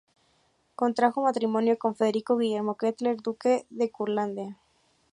Contrajo matrimonio con Federico Guillermo Kettler, duque de Curlandia.